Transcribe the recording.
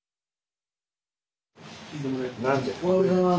おはようございます。